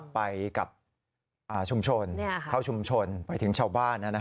ไปกับชุมชนข้าวชุมชนไปถึงเช่าบ้านนะครับ